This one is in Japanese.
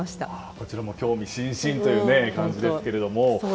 こちらも興味津々という感じですけども。